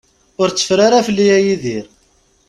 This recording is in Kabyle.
Ur teffer ara fell-i, a Yidir.